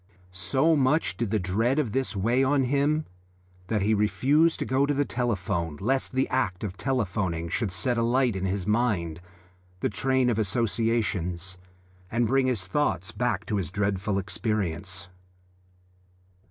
So much did the dread of this weigh on him that he refused to go to the telephone lest the act of telephoning should set alight in his mind the train of associations and bring his thoughts back to his dreadful experience.